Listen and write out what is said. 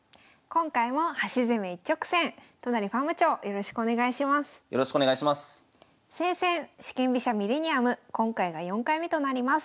今回が４回目となります。